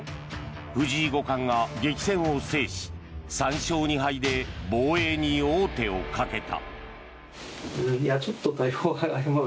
藤井五冠が激戦を制し３勝２敗で防衛に王手をかけた。